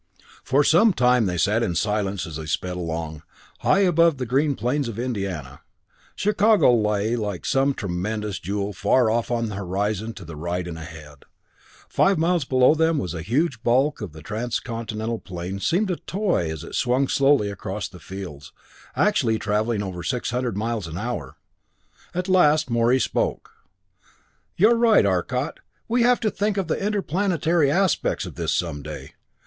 For some time they sat in silence as they sped along, high above the green plains of Indiana. Chicago lay like some tremendous jewel far off on the horizon to the right and ahead. Five miles below them the huge bulk of the Transcontinental plane seemed a toy as it swung slowly across the fields actually traveling over six hundred miles an hour. At last Morey spoke. "You're right, Arcot. We'll have to think of the interplanetary aspects of this some day.